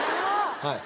はい。